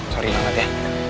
sorry banget ya